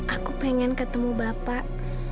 aku pengen ketemu bapak